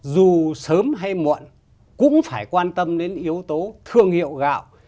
dù sớm hay muộn cũng phải quan tâm đến yếu tố thương hiệu gạo